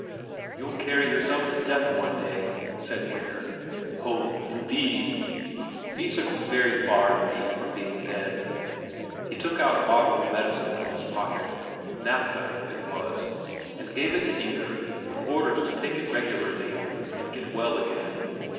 "You'll carry yourself to death one day," said Inger. "Ho, indeed!" Isak was very far indeed from being dead; he took out a bottle of medicine from his pocket naphtha it was and gave it to Inger with orders to take it regularly and get well again.